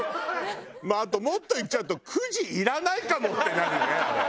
まああともっと言っちゃうとクジいらないかもってなるよねあれ。